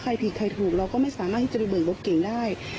ใครผิดใครถูกเราก็ไม่สามารถเบิกรถเก๋งได้